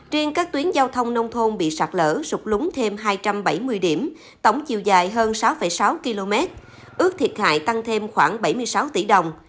truyền các tuyến giao thông nông thôn bị sạc lỡ sụt lúng thêm hai trăm bảy mươi điểm tổng chiều dài hơn sáu sáu km ước thiệt hại tăng thêm khoảng bảy mươi sáu tỷ đồng